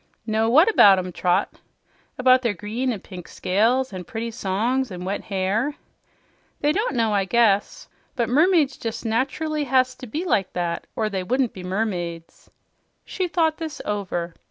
"Know what about 'em, Trot?" "About their green and pink scales and pretty songs and wet hair." "They don't know, I guess. But mermaids jes' natcherly has to be like that, or they wouldn't be mermaids." She thought this over.